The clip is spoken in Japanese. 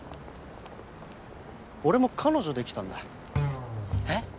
俺も彼女できたんだえっ？